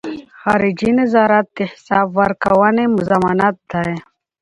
خارجي نظارت د حساب ورکونې ضمانت دی.